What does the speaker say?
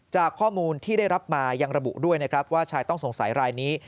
จากข้อมูลที่ได้รับมายังระบุด้วยนะครับว่าชายต้องสงสัยรายนี้